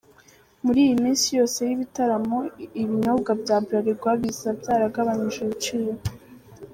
Muri iyi minsi yose y’ibi bitaramo, ibinyobwa bya Bralirwa biza byagabanyirijwe ibiciro.